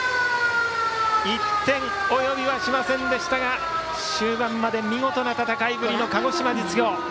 １点及びはしませんでしたが終盤まで見事な戦いぶりの鹿児島実業。